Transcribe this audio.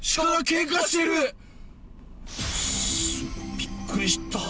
びっくりした。